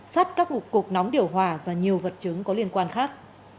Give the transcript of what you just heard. sắt các cục nóng điều hòa và nhiều vật chứng có liên quan khác